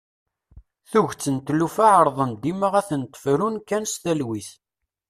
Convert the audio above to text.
Tuget n tlufa ɛerḍen dima ad tent-frun kan s talwit.